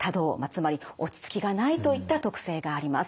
つまり落ち着きがないといった特性があります。